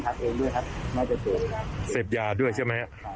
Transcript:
หื้อหื้อ